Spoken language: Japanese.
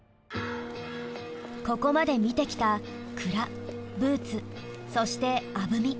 ここまで見てきた鞍ブーツそしてアブミ。